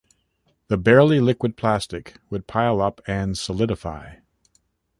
The barely liquid plastic would pile up and solidify.